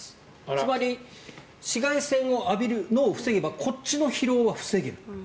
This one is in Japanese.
つまり紫外線を浴びるのを防げばこっちの疲労は防げる。